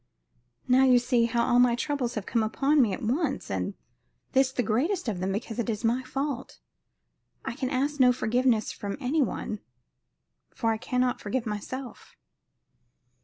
Now you see how all my troubles have come upon me at once; and this the greatest of them, because it is my fault. I can ask no forgiveness from any one, for I cannot forgive myself."